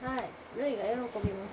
琉偉が喜びます。